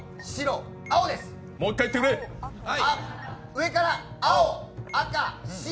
上から青、赤、白。